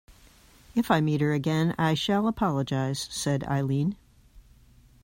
If I meet her again I shall apologize, said Eileen.